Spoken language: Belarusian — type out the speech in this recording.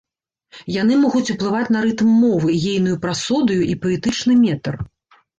Яны могуць уплываць на рытм мовы, ейную прасодыю і паэтычны метр.